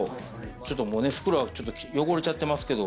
ちょっともうね、袋は汚れちゃってますけど。